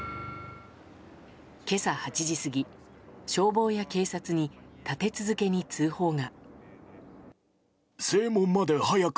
今朝８時過ぎ、消防や警察に立て続けに通報が。